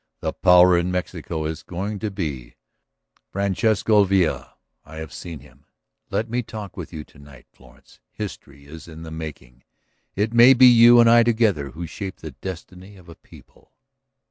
"The power in Mexico is going to be Francisco Villa. I have seen him. Let me talk with you to night, Florence. History is in the making; it may be you and I together who shape the destiny of a people."